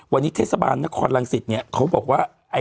วันนี้เทศบาลนครรังสิตเนี่ยเขาบอกว่า